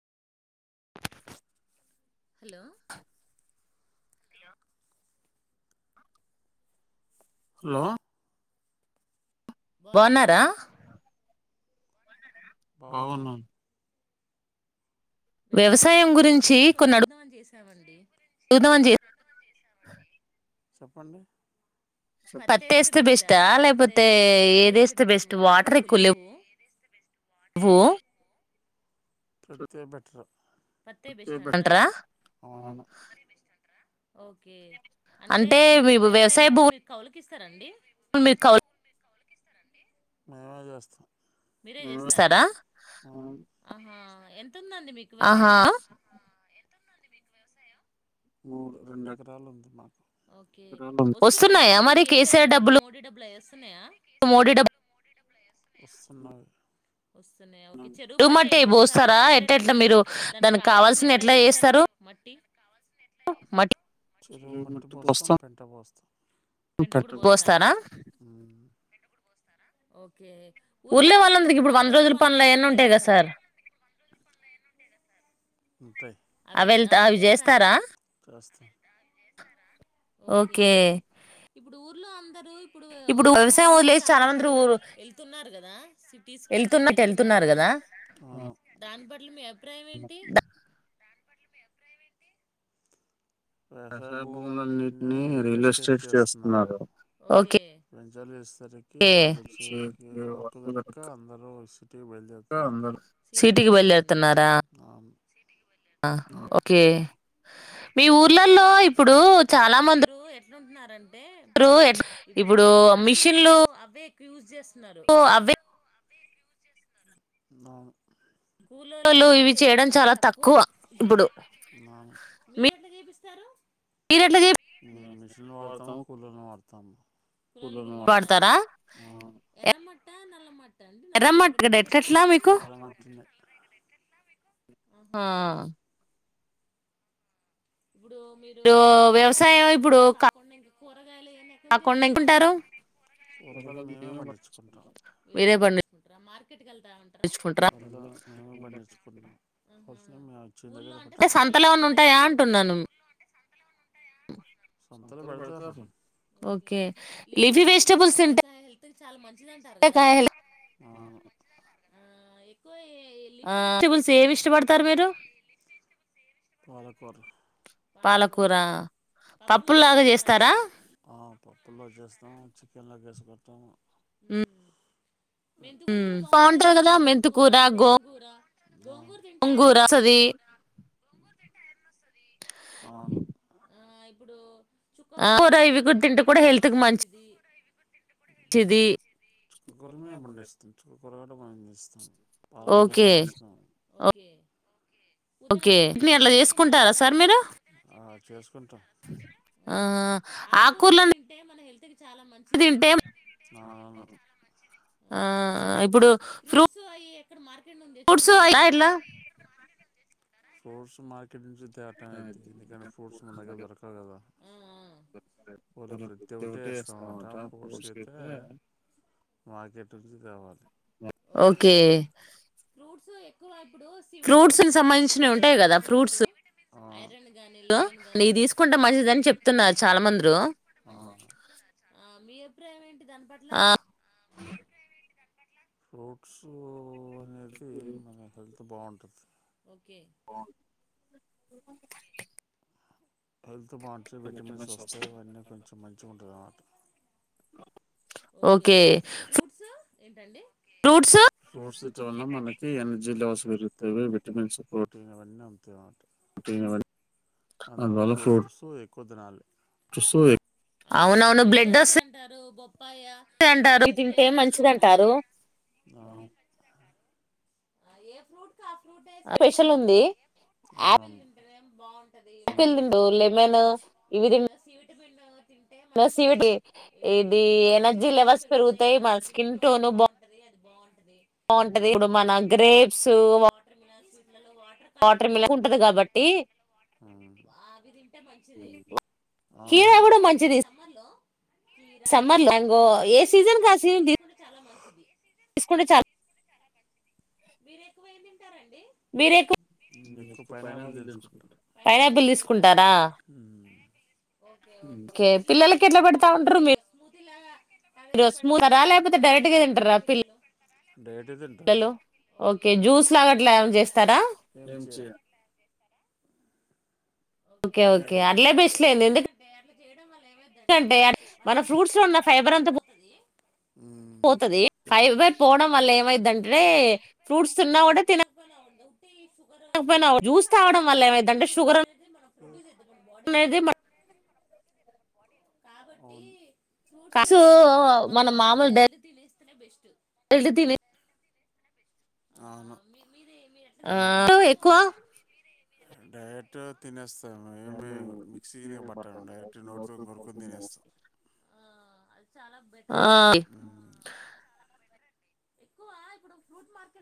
Hello hello hello బావున్నారా అవును వ్యవసాయం గురించి కొన్ని అడుగుదామని చేసా నావండి [inaudible] [unintelligible] చెప్పండి పత్తి ఏస్తే బెస్టా లేకపోతే ఏది ఏస్తే బెస్ట్ వాటర్ ఎక్కువ లెవ్వు ప్రతే బెటరు అంటరా ఓకే అంటే మీ వ్యవసాయ భూములు మీరు కౌలు కిస్తరండి మీరు కౌలు మేమే చేస్తాం సదా ఆ ఎం ఎంతుందండి మీకు వ్యవసాయం మూడు రెండు ఎకరాలు ఉంది మాకు ఓకే వస్తున్నాయా మరి కేసీఆర్ డబ్బులు మోడీ డబ్బులు అయి వస్తున్నాయా వేస్తున్నాయి వస్తున్నాయి ఆమె కి చెరువు మట్ పోస్తారా ఎట్లా ఎట్లా మీరు దానికి కావాల్సిన ఎట్లా చేస్తారు మ టి చెరువు మట్టి పోస్తాం పెంట పోస్తాం ఓకే ఊర్లో వాళ్లందరికీ ఇప్పుడు వంద రోజుల. పనులయన్నీ ఉంటాయి కదా సార్ హ అవి వెళ్తే అవి చేస్తారా ఓకే ఇప్పుడు ఊర్లో అందరూ ఇప్పుడు వ్యవసాయం వదిలేసి చాలా మంది ఊ వెళ్తున్నారు కదా ఆ సిటీస్కి అటు ఇటు వెళ్తున్నారు కదా దాని పట్ల మీ అభిప్రాయం ఏంటి? వ్యవసాయ భూములున్నిటిని రియల్ ఎస్టేట్ చేస్తున్నారు జలెస్ రికి వాళ్ళు వచ్చేకి వర్క్ దొరకక అందరు సిటీకి బయలుదేరుతున్నారు మీ ఊర్లలో ఇప్పుడూ చాలా మందురూ ఎట్లుంటున్నా రం రూ ఎట్లా ఇప్పుడూ మిషన్లూ ఫ్యూజెస్ ఉన్నారు నా కూల్లోల్లు ఇవి చేయడం చాలా తక్కువ సారు మిషన్లు వాడతాం కూలోని వాడతాం తం కులలు కూడాబడతారా ఎర్ర మట్ట నల్ ఎర్రమాట్టు డెక్కడు ఎర్ర మట్టున ఆ ఇప్పుడు మీరు వ్యవసాయం ఇప్పుడు కాకుండా ఇంకా పోరా కూరగాయలు మేమే పండించుకుంటాం వెళ్లం మేమే పండించుకుంటాం ఊల్లో అంటే సంతలేమన్నా ఉంటాయా ననూ ఓకే లిఫీ వెజిటేబుల్స్ ఎంత చాల మ ఇలాంటారు కదా వెజిటేబుల్స్ ఏమి ఇష్టపడతారు మీరు పోాల కుక్కర్ పాలకూర పప్పులులాగా చేస్తారా ఆ పప్పుల్లో చేస్తాం చికెన్లోకి వేసుకుట్టాం ఉమ్ మెంతకూర కూడా బాగుంటది కదా మెంతకూర గోంగూర గోంగూరు తింటే ఆయరన్న వస్తుది గోంగూ అవును. ఆ ఇప్పుడు చుక్కా కూూర ఇవి కు తింటే కూడా హెల్త్ కి మంచిది స్థిది అ మనం చేస్తాము పాలకూర పండిస్తాము ఓకే ఓకే మీ అట్లా చేసు సుకుంటారా సార్ మీరు చే ఆ ఆకుకూరలు ఏమైనా తింటే హెల్త్ చాలా మంచిది ఇప్పుడు ఫ్రూట్స్ అయి ఇక్కడ మార్క్ తెచ్చుకుంటారా ఇలా సోర్స్ మార్ ఇ ఆటం అైది ఎందుకంటే ఫ్రూట్స్ ము దగ్ దొరకవు కదా వాళ్ళ ప్రతి ఒక్కటి వేస్తాం అన్నమాట ఫ్రూట్స్కి అయితే మార్కెట్ తి కావాలి ఓకే ఫ్రూట్స్ ఫ్రూట్స్ ని సంబంధించినవి ఉంటాయి కదా ఫ్రూట్స్ ఆ చె చ ప్రైవేట్ దాని పట్ల ఫ్రూట్స్ బావుంటుంది ఓకే అ బాంటుంది విటమిన్స్ వస్తాయివన్నీ కొంచెం మంచిగా ఉంటుంది అన్నమాట ఓకే ఫ్రూట్స్ ఏంటండి ఫ్రూట్స్ తినటం వల్ల మనకి ఎనర్జీ లెవస్ పెరుగుతయి విటమిన్స్ ప్రోటీన్ అవన్నీ ఉంట ఏం గావాలి అందువల్ల ఫ్రూట్స్ ఎక్కువ తినాలి అవునవును బ్లడ్ వస్తాయి అంటారు బొప్పాయ ఇవి తింటే మంచిది అంటారు ఏ ఫ్రూట్ ఫ్రూట్ ఏ స్పెషల్ ఉంది ఆపిల్ అవునవును బావుంది [unintelligible] [unintelligible] బసివిటీ ఇది ఎనర్జీ లెవెల్స్ పెరుగుతాయి మన స్కిన్ టోన్ బా బోన్ బావుంటది మన గ్రేప్స్ వాటర్ కంటెంట్ ఎక్కువంటది కాబట్టి అవి తింటే మంచిది కూడా మంచిది సమ్మర్ లో చీరా మ్యాంగో ఏ సీజన్ క ఆ సీజన్ తీసుకుంటే చాలా మంచి తీసుకుంటే చాలు మీరు ఎక్కువ ఏమ్ తింటారండి మీరేం ఫ్రూట్ పైనాపిల్ తీసుకుంటారా ఓకే పిల్లలకి ఎట్లా పెడతా ఉంటారు మీరు పిల్లల కట్చేసి పడతారా లేకపోతే డైరెక్ట్ గా తింటారా పిల్లలు డేటె తింటారు ఓకే జ్యూస్ లాగాట్లా ఏమన్నా చేస్తారా క ఎందుకంటే మన ఫ్రూట్స్ లో ఉన్న ఫైబర్ అంత పోతది పోతది ఫైవ్ పై పోవడం వల్ల ఏమైదింటే ఫ్రూట్స్ తిన్నా కూడా తిన షగర్ జ్యూస్ తవడం అంటే షుగర్ అనేది అవును ఫ్రూట్స్ మన మామూలు డైరెక్ట్ తినేస్తే బెస్ట్ రెక్ట్ తిని అవును ఆ ఎక్కువ డైరెక్ట్ తినేస్తే ఆ ఎక్కువ ఇప్పుడు ఫ్రూట్ మార్కెట్